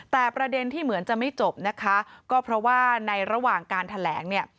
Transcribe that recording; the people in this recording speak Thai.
แต่ประเด็นที่เหมือนจะไม่จบนะคะก็เพราะว่าในระหว่างการแถลงเนี่ย